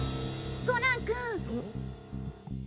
コナン君！